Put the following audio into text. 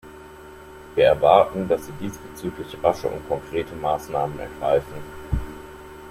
Wir erwarten, dass Sie diesbezüglich rasche und konkrete Maßnahmen ergreifen.